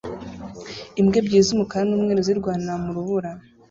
imbwa ebyiri z'umukara n'umweru zirwanira mu rubura